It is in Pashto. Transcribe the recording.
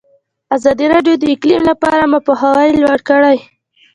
ازادي راډیو د اقلیم لپاره عامه پوهاوي لوړ کړی.